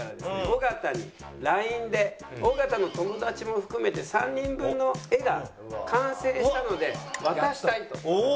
尾形にＬＩＮＥで尾形の友達も含めて３人分の画が完成したので渡したいと。